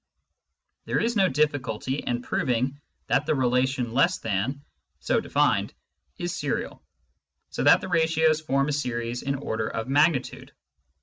There is no difficulty in proving that the relation " less than," so defined, is serial, so that the ratios form a series in order of magnitude.